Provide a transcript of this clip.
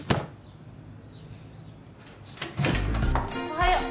・おはよう。